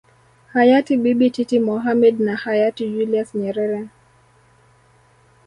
Hayati bibi titi Mohamed na Hayati Julius Nyerere